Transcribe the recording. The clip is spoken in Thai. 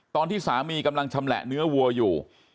ตอนที่สามีกำลังชำแหละเนื้อวัวอยู่